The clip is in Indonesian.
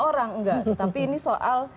orang enggak tapi ini soal